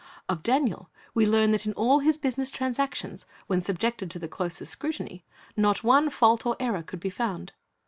Of Daniel we learn that in all his business transactions, when subjected to the closest scrutiny, not one fault or error could be found.